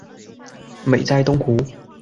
美哉东湖！